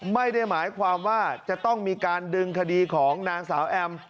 ไม่ได้หมายความว่าจะต้องมีการดึงคดีของนางสาวแอม